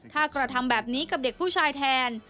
ถ้ากระทำแบบนี้กับเด็กผู้ชายแทน